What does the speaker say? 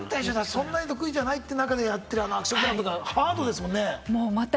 そんなに得意じゃないっていう中で見るとアクションってハードですもんね。